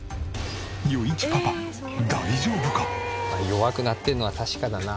弱くなってるのは確かだな。